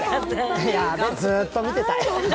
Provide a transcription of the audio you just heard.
ずっと見てたい。